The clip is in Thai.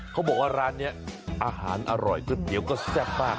เขาบอกว่าร้านนี้อาหารอร่อยก๋วยเตี๋ยวก็แซ่บมาก